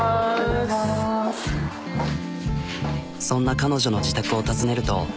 そんな彼女の自宅を訪ねると。